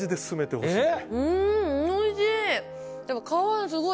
おいしい！